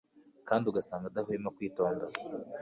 kandi ugasanga adahwema kwikota